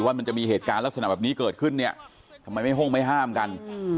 ว่ามันจะมีเหตุการณ์ลักษณะแบบนี้เกิดขึ้นเนี่ยทำไมไม่ห้องไม่ห้ามกัน